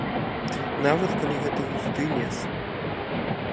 Нават калі гэта густы лес.